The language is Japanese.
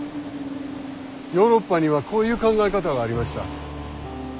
ヨーロッパにはこういう考え方がありました。